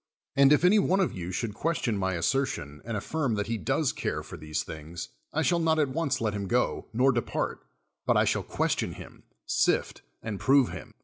" And if any one of you should question my assertion and affii m that he does care for these things, I shall not at once let him go, nor depart, but I shall question him, sift and prove him.